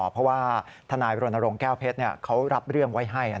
เพราะว่าทนายรณรงค์แก้วเพชรเขารับเรื่องไว้ให้